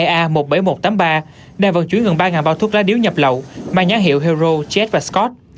sáu mươi hai a một mươi bảy nghìn một trăm tám mươi ba đang vận chuyển gần ba bao thuốc lá điếu nhập lậu mang nhãn hiệu hero jet và scott